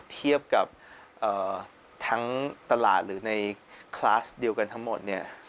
เทียบกับทั้งตลาดหรือในคลาสเดียวกันทั้งหมดเนี่ย